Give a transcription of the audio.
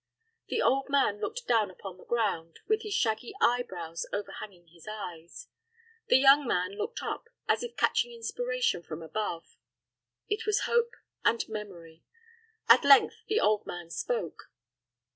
The old man looked down upon the ground, with his shaggy eyebrows overhanging his eyes. The young man looked up, as if catching inspiration from above. It was Hope and Memory. At length the old man spoke.